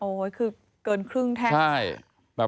โอ้โหคือเกินครึ่งแท่ง